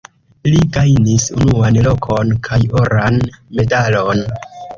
Li gajnis unuan lokon kaj oran medalon.